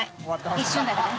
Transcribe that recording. ・一瞬だからね。